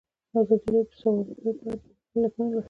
ازادي راډیو د سوداګري په اړه د مینه والو لیکونه لوستي.